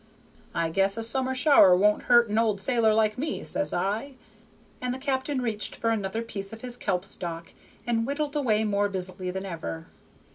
'I guess a summer shower won't hurt an old sailor like me,' says I." And the captain reached for another piece of his kelp stalk, and whittled away more busily than ever.